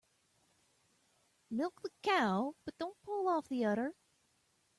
Milk the cow but don't pull off the udder.